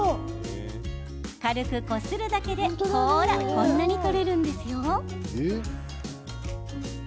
軽くこするだけで、ほらこんなに取れるんですよ。